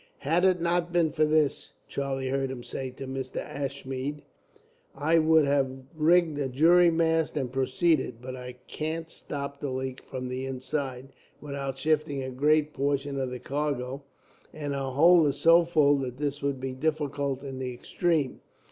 "Had it not been for this," Charlie heard him say to Mr. Ashmead, "I would have rigged a jury mast and proceeded; but I can't stop the leak from the inside, without shifting a great portion of the cargo, and our hold is so full that this would be difficult in the extreme.